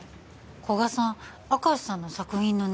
古賀さん明石さんの作品の値段